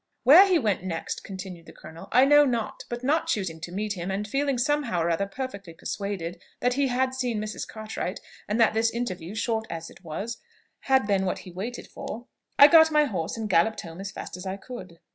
"Where he went next," continued the colonel, "I know not; but not choosing to meet him, and feeling somehow or other perfectly persuaded that he had seen Mrs. Cartwright, and that this interview, short as it was, had been what he waited for, I got my horse and galloped home as fast as I could."